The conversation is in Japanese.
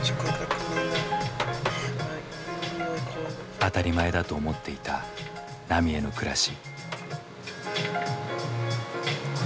当たり前だと思っていた浪江の暮らし。